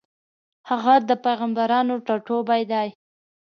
هغه د پېغمبرانو ټاټوبی دی.